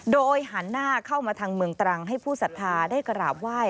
โดยหันหน้าเข้ามาทางเมืองตรังให้ผู้ศรัทธาได้กราบไหว้